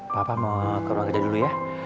papa mau ke rumah kerja dulu ya